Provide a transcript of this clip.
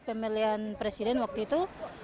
pemilihan presiden waktu itu